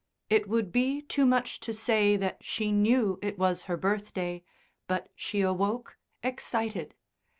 It would be too much to say that she knew it was her birthday, but she awoke, excited.